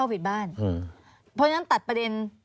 เพราะฉะนั้นตัดประเด็น